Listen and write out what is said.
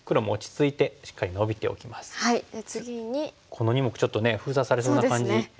この２目ちょっと封鎖されそうな感じしてきますよね。